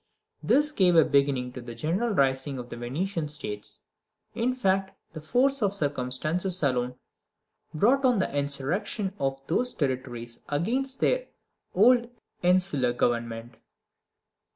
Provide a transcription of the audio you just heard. This gave a beginning to the general rising of the Venetian States. In fact, the force of circumstances alone brought on the insurrection of those territories against their old insular government.